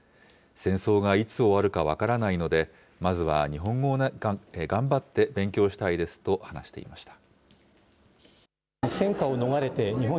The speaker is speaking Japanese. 戦争がいつ終わるか分からないので、まずは日本語を頑張って勉強したいですと話していました。